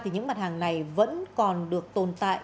những mặt hàng này vẫn còn được tồn tại